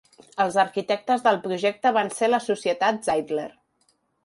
Els arquitectes del projecte van ser la Societat Zeidler.